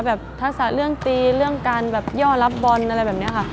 ทักษะเรื่องตีเรื่องการแบบย่อรับบอลอะไรแบบนี้ค่ะ